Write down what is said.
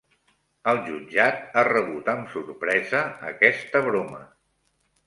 El jutjat ha rebut amb sorpresa aquesta broma